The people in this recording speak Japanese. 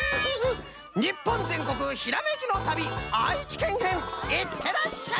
日本全国ひらめきの旅愛知県編いってらっしゃい！